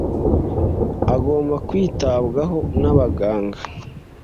agomba kwitabwaho n'abaganga.